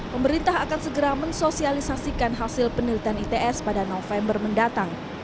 pemerintah akan segera mensosialisasikan hasil penelitian its pada november mendatang